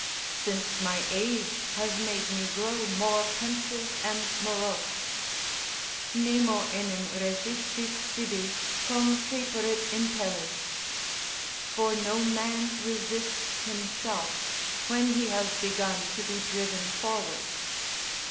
Since my age has made me grow more pensive and morose, "Nemo enim resistit sibi, cum caeperit impelli," ["For no man resists himself when he has begun to be driven forward."